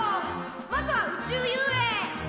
まずは宇宙遊泳！